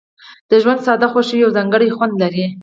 د ژوند ساده خوښۍ یو ځانګړی خوند لري.